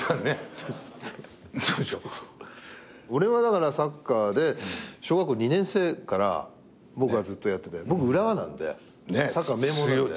俺はだからサッカーで小学校２年生から僕はずっとやってて僕浦和なんでサッカー名門なんで。